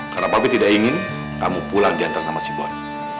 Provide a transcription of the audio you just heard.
karena pabrik tidak ingin kamu pulang diantar sama si bobi